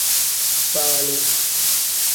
Faali.